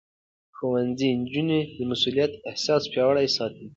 ښوونځی نجونې د مسؤليت احساس پياوړې ساتي.